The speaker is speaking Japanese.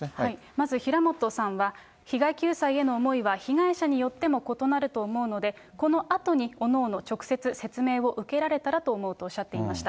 まず平本さんは、被害救済への思いは被害者によっても異なると思うので、このあとに、おのおの直接、説明を受けられたらと思うとおっしゃっていました。